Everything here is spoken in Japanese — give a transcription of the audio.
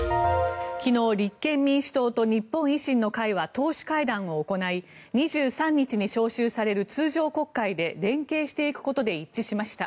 昨日、立憲民主党と日本維新の会は党首会談を行い２３日に召集される通常国会で連携していくことで一致しました。